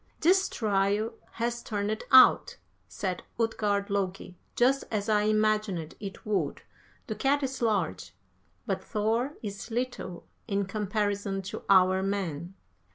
"'This trial has turned out,' said Utgard Loki, 'just as I imagined it would; the cat is large, but Thor is little in comparison to our men.'